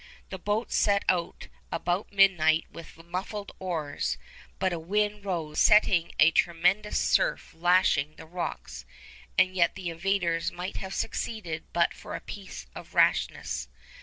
The boats set out about midnight with muffled oars, but a wind rose, setting a tremendous surf lashing the rocks, and yet the invaders might have succeeded but for a piece of rashness.